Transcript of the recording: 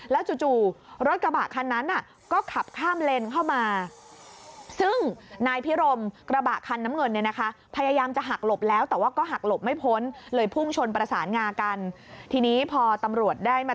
แล้วจู่รถกระบะคันนั้นก็ขับข้ามเลนเข้ามา